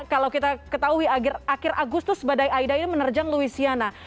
kalau kita ketahui akhir agustus badai aida ini menerjang louisiana